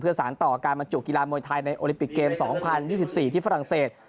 สารต่อการบรรจุกีฬามวยไทยในโอลิปิกเกม๒๐๒๔ที่ฝรั่งเศส